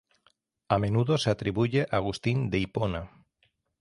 A menudo se atribuye a Agustín de Hipona.